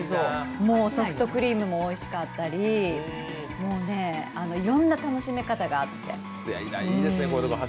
ソフトクリームもおいしかったり、いろんな楽しみ方があって。